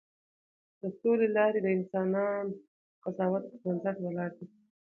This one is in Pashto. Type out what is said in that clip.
د سولې لارې د انسانانه قضاوت پر بنسټ ولاړې دي.